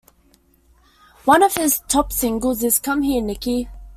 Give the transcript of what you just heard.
One of his top singles is "Come Here Nikki".